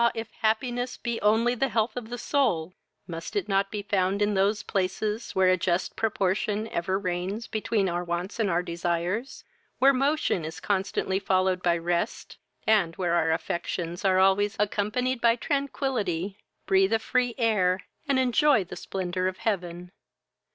if happiness be only the health of the soul, must it not be found in those places, where a just proportion ever reigns between our wants and our desires, where motion is constantly followed by rest, and where our affections are always *accompapanied by tranquillity, breathe a free air, and enjoy the splendor of heaven.